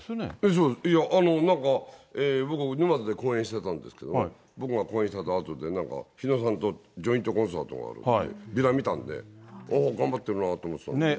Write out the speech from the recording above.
そう、なんか、僕、沼津で公演してたんですけど、僕が公演したあとで、なんかひのさんとジョイントコンサートが、ビラ見たんで、ああ、頑張ってるなと思ってたんですけど。